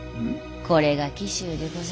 これが紀州でございます。